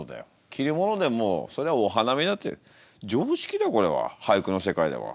着るものでもそりゃお花見だって俳句の世界では。